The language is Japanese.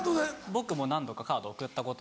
僕も何度かカード贈ったこと。